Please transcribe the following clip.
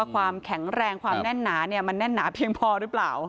ความแข็งแรงความแน่นหนาเนี่ยมันแน่นหนาเพียงพอด้วยป่าว